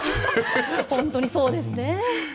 本当にそうですね。